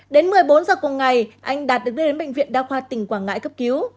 đến một mươi bốn giờ cùng ngày anh đạt được đưa đến bệnh viện đa khoa tỉnh quảng ngãi cấp cứu